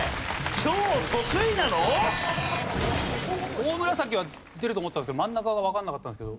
オオムラサキは出ると思ったんですけど真ん中がわかんなかったんですけど